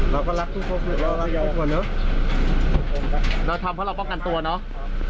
เราทำเพราะเราป้องกันตัวเนาะ